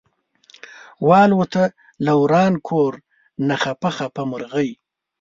والوته له وران کور نه خپه خپه مرغۍ